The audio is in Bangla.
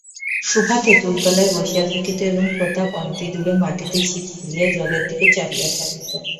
সুভা তেঁতুলতলায় বসিয়া থাকিত এবং প্রতাপ অনতিদূরে মাটিতে ছিপ ফেলিয়া জলের দিকে চাহিয়া থাকিত।